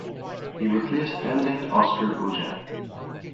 He replaced Benedikt Oskar Oja.